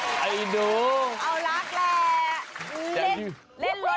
ใส่ดูตาก่อนพี่ดาว